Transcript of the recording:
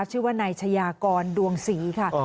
ชื่อว่านายชายากรดวงศรีค่ะ